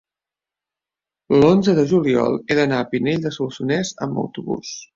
l'onze de juliol he d'anar a Pinell de Solsonès amb autobús.